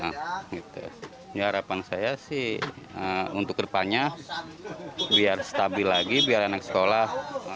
harapan saya sih untuk kedepannya biar stabil lagi biar anak sekolah